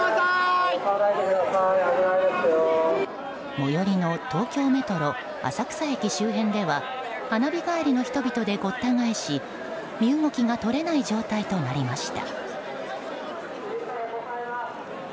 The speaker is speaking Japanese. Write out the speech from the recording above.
最寄りの東京メトロ浅草駅周辺では花火帰りの人々でごった返し身動きが取れない状態となりました。